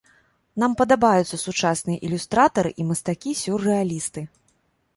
Нам падабаюцца сучасныя ілюстратары і мастакі-сюррэалісты.